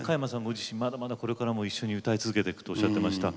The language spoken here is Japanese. ご自身、まだまだこれからも一緒に歌い続けていくとおっしゃっていました。